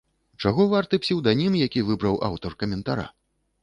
Чаго варты псеўданім, які выбраў аўтар каментара!